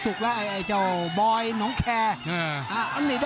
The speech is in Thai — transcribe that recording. ภูตวรรณสิทธิ์บุญมีน้ำเงิน